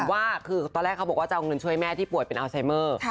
ว่าคือตอนแรกเขาบอกว่าจะเอาเงินช่วยแม่ที่ป่วยเป็นอัลไซเมอร์